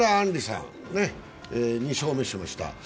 りさん、２勝目しました。